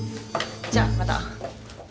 じゃあまた。